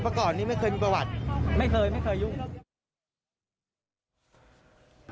ก่อนนี้ไม่เคยมีประวัติไม่เคยไม่เคยยุ่ง